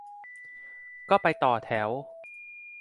ก็ไปต่อแถว